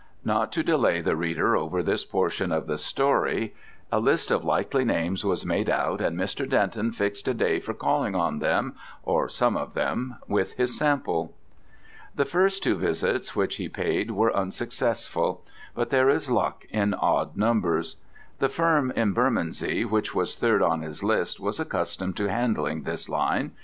Not to delay the reader over this portion of the story, a list of likely names was made out, and Mr. Denton fixed a day for calling on them, or some of them, with his sample. The first two visits which he paid were unsuccessful: but there is luck in odd numbers. The firm in Bermondsey which was third on his list was accustomed to handling this line.